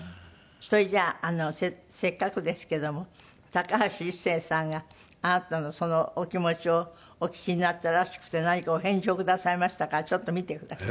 それじゃあせっかくですけども高橋一生さんがあなたのそのお気持ちをお聞きになったらしくて何かお返事をくださいましたからちょっと見てください。